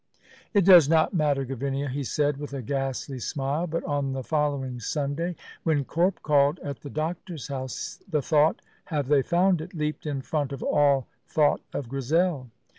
"It does not matter, Gavinia," he said, with a ghastly smile; but on the following Sunday, when Corp called at the doctor's house, the thought "Have they found it?" leaped in front of all thought of Grizel.